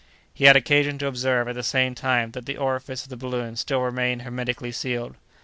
He had occasion to observe, at the same time, that the orifice of the balloon still remained hermetically sealed.